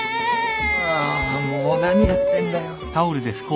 ああもう何やってんだよ。